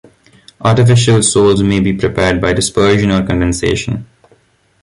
Artificial sols may be prepared by dispersion or condensation.